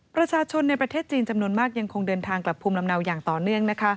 ประชาชนในประเทศจีนจำนวนมากยังคงเดินทางกลับภูมิลำเนาอย่างต่อเนื่อง